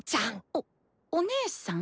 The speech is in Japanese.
おお姉さん？